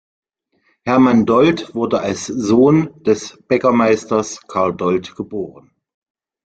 Hermann Dold wurde als Sohn des Bäckermeisters Karl Dold geboren.